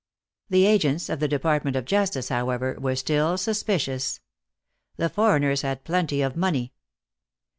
The agents of the Department of Justice, however, were still suspicious. The foreigners had plenty of money.